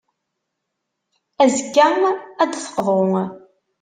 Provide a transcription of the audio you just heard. Azekka, ad d-teqḍu.